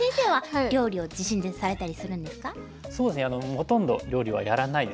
ほとんど料理はやらないですね。